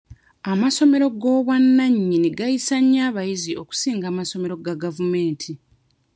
Amasomero g'obwannanyini gayisa nnyo abayizi okusinga amasomero ga gavumenti.